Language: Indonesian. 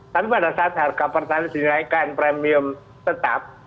tapi pada saat harga pertamina dinaikkan premium tetap